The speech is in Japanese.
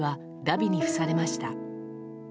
びに付されました。